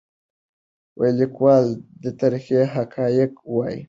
لیکوال دا ترخه حقایق وایي.